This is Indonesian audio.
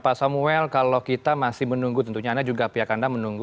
pak samuel kalau kita masih menunggu tentunya anda juga pihak anda menunggu